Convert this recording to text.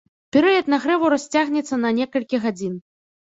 Перыяд нагрэву расцягнецца на некалькі гадзін.